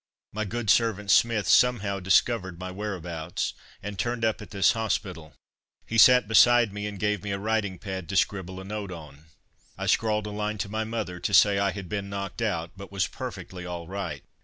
My good servant Smith somehow discovered my whereabouts, and turned up at this hospital. He sat beside me and gave me a writing pad to scribble a note on. I scrawled a line to my mother to say I had been knocked out, but was perfectly all right.